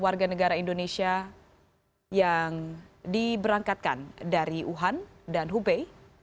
dua ratus empat puluh tiga warga negara indonesia yang diberangkatkan dari wuhan dan hubei